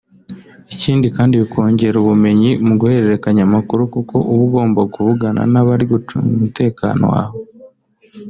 Ikindi kandi bikongerera ubumenyi mu guhererekanya amakuru kuko uba ugomba kuvugana n’abari gucunga umutekano wawe